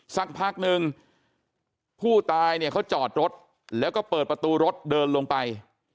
สักพักนึงผู้ตายเนี่ยเขาจอดรถแล้วก็เปิดประตูรถเดินลงไป